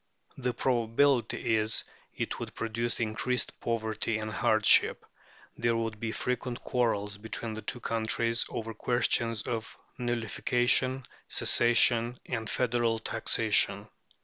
182); the probability is, it would produce increased poverty and hardship; there would be frequent quarrels between the two countries over questions of nullification, secession, and federal taxation (p.